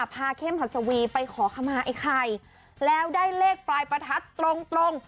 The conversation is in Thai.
เข้มหัสวีไปขอขมาไอ้ไข่แล้วได้เลขปลายประทัดตรงตรง